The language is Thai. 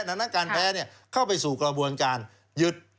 ดังนั้นการแพ้เข้าไปสู่กระบวนการยึด